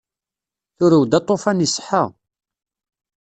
Turew-d aṭufan iṣeḥḥa.